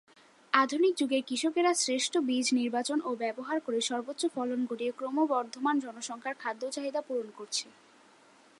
আধুনিক যুগের কৃষকেরা শ্রেষ্ঠ বীজ নির্বাচন ও ব্যবহার করে সর্বোচ্চ ফলন ঘটিয়ে ক্রমবর্ধমান জনসংখ্যার খাদ্য চাহিদা পূরণ করছে।